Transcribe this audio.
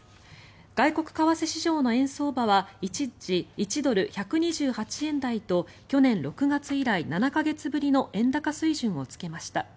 外国為替市場の円相場は一時１ドル＝１２８円台と去年６月以来７か月ぶりの円高水準をつけました。